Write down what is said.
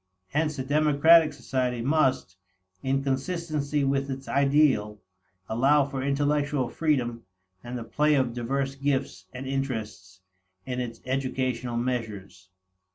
Hence a democratic society must, in consistency with its ideal, allow for intellectual freedom and the play of diverse gifts and interests in its educational measures.